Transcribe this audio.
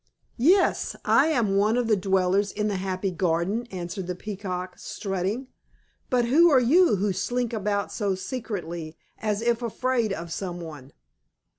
"Yes, I am one of the dwellers in the happy garden," answered the Peacock, strutting. "But who are you who slink about so secretly, as if afraid of some one?"